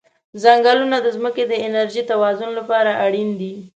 ځنګلونه د ځمکې د انرژی توازن لپاره اړین دي.